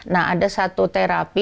nah ada satu terapi